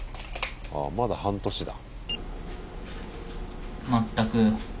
ああまだ半年だ。